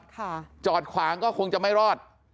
จอดขวางก็คงจะไม่รอด